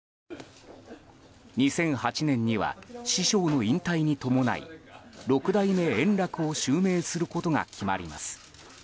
２００８年には師匠の引退に伴い六代目円楽を襲名することが決まります。